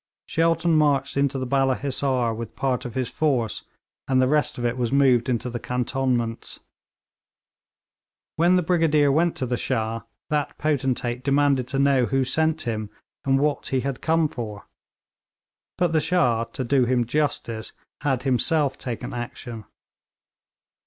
Shelton marched into the Balla Hissar with part of his force, and the rest of it was moved into the cantonments. When the Brigadier went to the Shah, that potentate demanded to know who sent him, and what he had come for. But the Shah, to do him justice, had himself taken action.